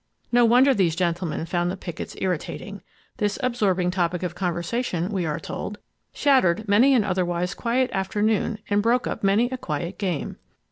No wonder these gentlemen found the pickets irritating! This absorbing topic of conversation, we are told, shattered many an otherwise quiet afternoon and broke up many a quiet game.